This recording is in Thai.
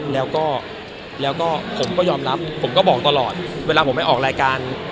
แล้วก็ผมก็ยอมรับผมก็บอกตลอดเวลาผมไปออกรายการ